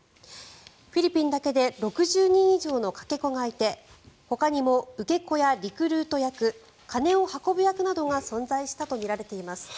フィリピンだけで６０人以上のかけ子がいてほかにも受け子やリクルート役金を運ぶ役などが存在したとみられています。